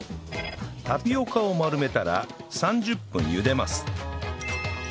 タピオカを丸めたら３０分茹でます